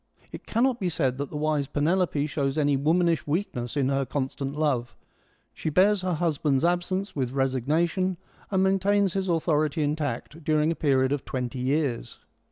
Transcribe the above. It cannot be said that the v/ise Penelope shows any womanish weakness in her constant love : she bears her husband's absence with resignation, and maintains his authority intact during a period of twenty years.